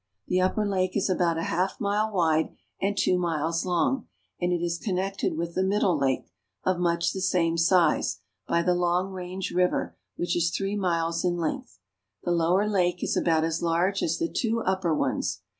The upper lake is about a half mile wide and two miles long, and it is connected with the middle lake, of much the same size, by the Long Range River, which is three miles in length. The lower lake is about as large as the two upper ones.